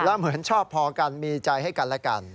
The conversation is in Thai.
แล้วเหมือนชอบพอกันมีใจให้กันและกัน